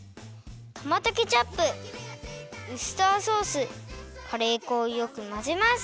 トマトケチャップウスターソースカレー粉をよくまぜます。